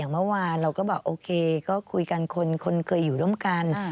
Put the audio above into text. เมื่อวานเราก็บอกโอเคก็คุยกันคนเคยอยู่ร่วมกัน